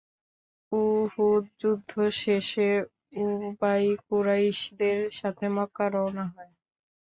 উহুদ যুদ্ধ শেষে উবাই কুরাইশদের সাথে মক্কা রওনা হয়।